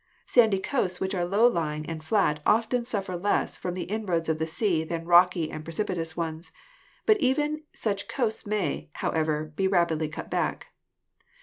Sandy coasts which are low lying and flat often suffer less from the inroads of the sea than rocky and precipitous ones, but even such coasts may, however, be rapidly cut back.